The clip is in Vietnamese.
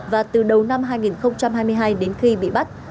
và từ đầu năm hai nghìn hai mươi hai đến khi bị bắt